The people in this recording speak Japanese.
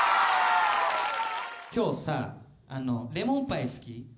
今日さ「レモンパイ」好き？